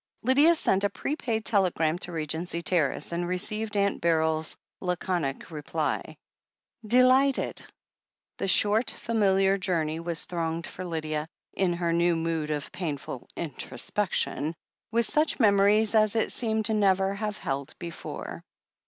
Lydia sent a prepaid telegram to Regency Terrace, and received Aimt Beryl's laconic reply: "Delighted." The short, familiar journey was thronged for Lydia, in her new mood of painful introspection, with such memories as it seemed never to have held before.